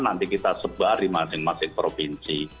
nanti kita sebar di masing masing provinsi